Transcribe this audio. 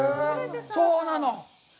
そうなの。